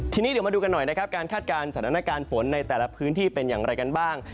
ทีนี้เดี๋ยวมาดูกันหน่อยนะครับการคาดการณ์สถานการณ์ฝนในแต่ละพื้นที่เป็นอย่างไรกันบ้าง